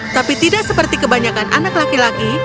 tapi tidak seperti kebanyakan anak laki laki